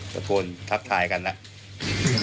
ตะโกนทักทายกันแล้ว